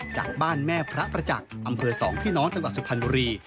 จากบ้านแม่พระประจักษ์อำเภอ๒พี่น้องจังหวัดสุพรรณบุรี